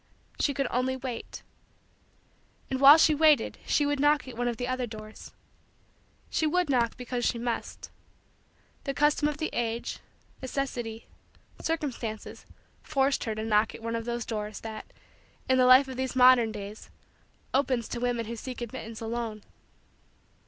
She could only wait. And while she waited she would knock at one of the other doors. She would knock because she must. The custom of the age, necessity, circumstances, forced her to knock at one of those doors that, in the life of these modern days, opens to women who seek admittance alone.